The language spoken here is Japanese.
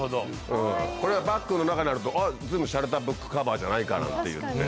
これがバッグの中にあると「あっ随分しゃれたブックカバーじゃないか」なんていって。